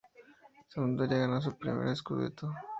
Sampdoria ganó su primer "scudetto".